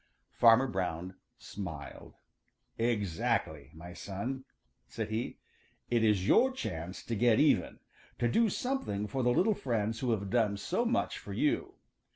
Farmer Brown smiled. "Exactly, my son," said he. "It is your chance to get even; to do something for the little friends who have done so much for you.